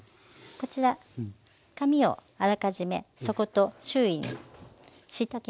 こちら紙をあらかじめ底と周囲に敷いておきました。